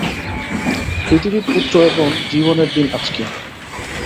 পৃথিবীর পুত্র এবং জীবনের দিন আজকে।